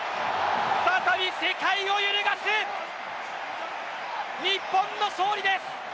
再び世界を揺るがす日本の勝利です。